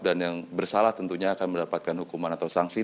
dan yang bersalah tentunya akan mendapatkan hukuman atau sanksi